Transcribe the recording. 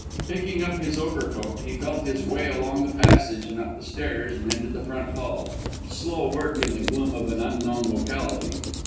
Picking up his overcoat, he felt his way along the passage and up the stairs and into the front hall slow work in the gloom of an unknown locality.